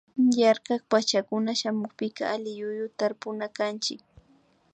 Yarkak pachacunan shamunpika alliyuyu tarpunakanchik